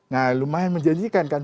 nah lumayan menjanjikan kan